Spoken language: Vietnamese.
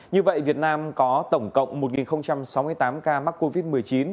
như vậy việt nam có tổng cộng một sáu mươi tám ca mắc covid một mươi chín